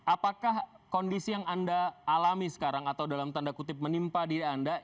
apakah kondisi yang anda alami sekarang atau dalam tanda kutip menimpa diri anda